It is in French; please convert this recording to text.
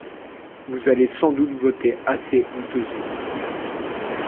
Vous allez sans doute voter assez honteusement.